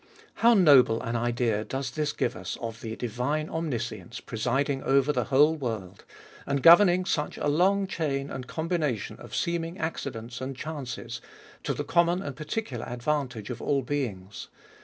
How noble an idea does this give us of the divine Omniscience presiding over the whole world, and go verning* such a long" chain and combination of seeming accidents and chances, to the common and particular advantages of all beings